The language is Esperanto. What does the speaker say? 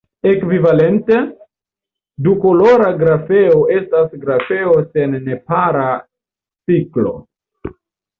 Ekvivalente, dukolora grafeo estas grafeo sen nepara ciklo.